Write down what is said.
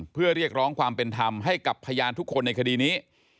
เพื่อเรียกร้องความเป็นธรรมให้กับพยานทุกคนในคดีนี้